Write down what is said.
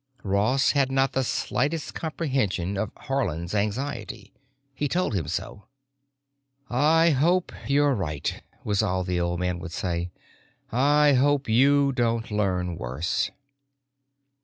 Ross therefore had not the slightest comprehension of Haarland's anxiety. He told him so. "I hope you're right," was all the old man would say. "I hope you don't learn worse."